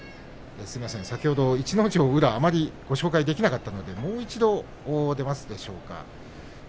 先ほど、逸ノ城、宇良をあまりご紹介できなかったのでもう一度、ご覧いただきます。